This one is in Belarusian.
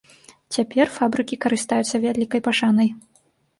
Цяпер фабрыкі карыстаюцца вялікай пашанай.